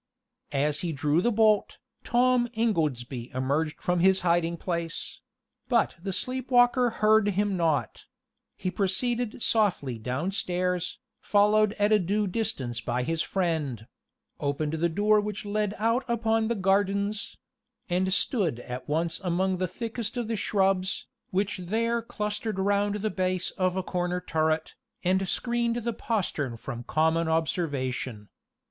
As he drew the bolt, Tom Ingoldsby emerged from his hiding place; but the sleep walker heard him not; he proceeded softly downstairs, followed at a due distance by his friend; opened the door which led out upon the gardens; and stood at once among the thickest of the shrubs, which there clustered round the base of a corner turret, and screened the postern from common observation.